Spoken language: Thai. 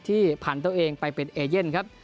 ที่ผ่านตัวเองไปเป็นแอเจนครับ